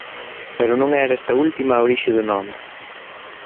Pero non era esta última a orixe do nome.